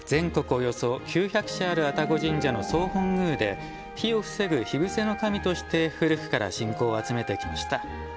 およそ９００社ある愛宕神社の総本宮で火を防ぐ、火伏せの神として古くから信仰を集めてきました。